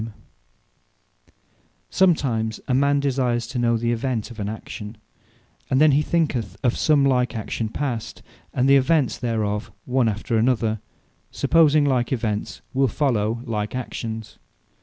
Prudence Sometime a man desires to know the event of an action; and then he thinketh of some like action past, and the events thereof one after another; supposing like events will follow like actions.